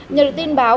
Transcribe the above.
nhờ được tin báo